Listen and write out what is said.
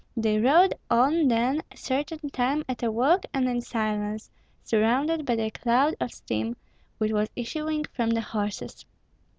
They rode on then a certain time at a walk and in silence, surrounded by a cloud of steam, which was issuing from the horses.